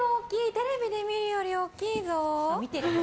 テレビで見るより大きいぞ。